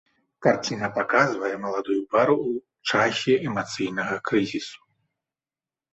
Карціна паказвае маладую пару ў часе эмацыйнага крызісу.